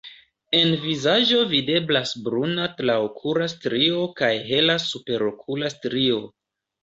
En vizaĝo videblas bruna traokula strio kaj hela superokula strio.